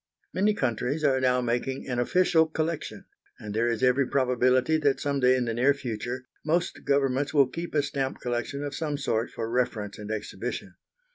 Many countries are now making an Official Collection, and there is every probability that some day in the near future most Governments will keep a stamp collection of some sort for reference and exhibition.